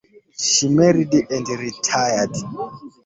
She married and retired.